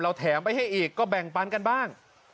แถมไปให้อีกก็แบ่งปันกันบ้าง